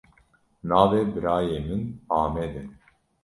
Navê birayê min Amed e.